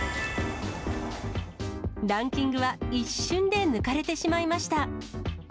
ランキングは一瞬で抜かれてしまいました。